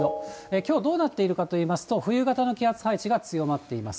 きょうどうなっているかと言いますと、冬型の気圧配置が強まっています。